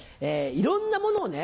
いろんなものをね